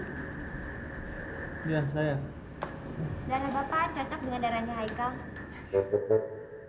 darah bapak cocok dengan darahnya haikal